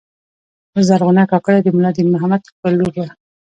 زرغونه کاکړه د ملا دین محمد کاکړ لور وه.